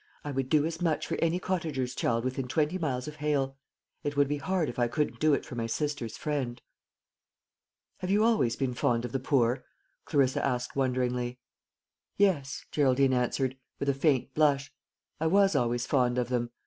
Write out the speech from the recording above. I would do as much for any cottager's child within twenty miles of Hale; it would be hard if I couldn't do it for my sister's friend." "Have you always been fond of the poor?" Clarissa asked wonderingly. "Yes," Geraldine answered, with a faint blush; "I was always fond of them.